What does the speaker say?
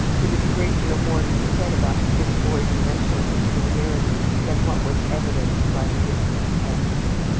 There was a great deal more to be said about this boy's mental peculiarities than what was evidenced by the giving of tests.